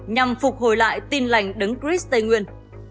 nhằm phục hồi lại tin lành đứng chris tây nguyên